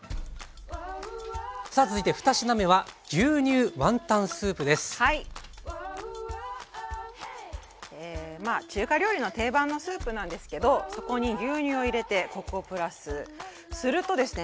さあ続いて２品目は中華料理の定番のスープなんですけどそこに牛乳を入れてコクをプラスするとですね